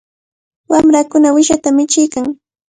Wamrakuna uyshata michiykan.